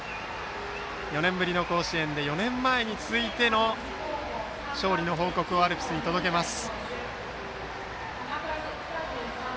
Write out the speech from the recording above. ４年ぶりの甲子園で４年前に続いての勝利の報告をアルプスに届けます。